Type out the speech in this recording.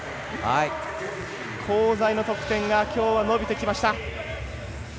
香西の得点がきょうは伸びてきました。